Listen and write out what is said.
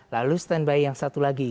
lalu standby yang satu lagi